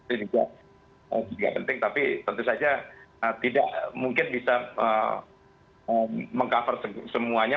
ini juga penting tapi tentu saja tidak mungkin bisa meng cover semuanya